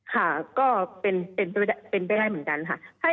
ค่ะก็เป็นไปได้เหมือนกันค่ะ